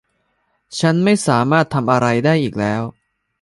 ฉันไม่สามารถทำอะไรได้อีกแล้ว